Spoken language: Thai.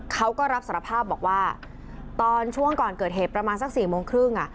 เขาก็รับสารภาพบอกว่าตอนช่วงก่อนเกิดเหตุประมาณสัก๔โมงครึ่ง